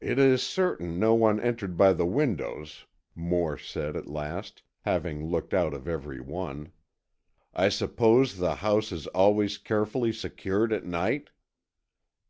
"It is certain no one entered by the windows," Moore said, at last, having looked out of every one. "I suppose the house is always carefully secured at night?"